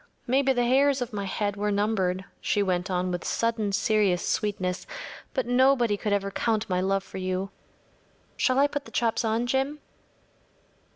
Maybe the hairs of my head were numbered,‚ÄĚ she went on with sudden serious sweetness, “but nobody could ever count my love for you. Shall I put the chops on, Jim?